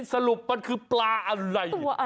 สรุปมันคือปลาอะไร